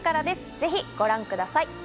ぜひご覧ください。